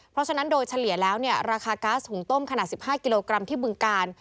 เพราะฉะนั้นโดยเฉลี่ยแล้วเนี่ยราคาก๊าซหุงต้มขนาด๑๕กิโลกรัมที่บึงกาล